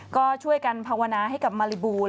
ก็ช่วยกันภาวนาให้กับมาริบูล